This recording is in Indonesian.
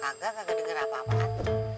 kagak denger apa apaan